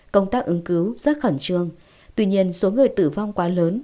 công tác ứng cứu rất khẩn trương tuy nhiên số người tử vong quá lớn